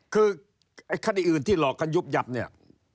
คือไอ้คดีอื่นที่หลอกกันยุบยับเนี่ย